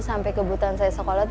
sampai kebutuhan saya sekolah